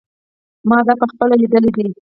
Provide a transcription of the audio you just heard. ما دا په خپله لیدلی دی.